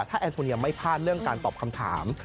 ถ้าแอนทูเนียไม่พลาดเรื่องการตอบคำถาม